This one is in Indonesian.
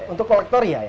untuk kolektor ya